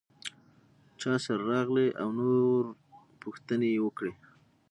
څاسره راغلې او نور پوښتنې یې وکړې.